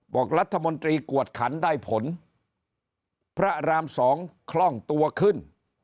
บอกรัฐมนตรีกวดขันได้ผลพระรามสองคล่องตัวขึ้น